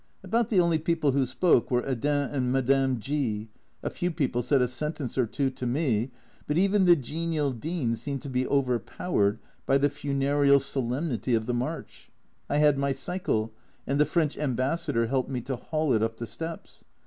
About the only people who spoke were Hedin and Madame G , a few people said a sentence or two to me, but even the genial Dean seemed to be over powered by the funereal solemnity of the march. I had my cycle, and the French Ambassador helped me to haul it up the steps